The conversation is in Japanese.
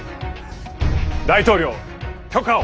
大統領許可を！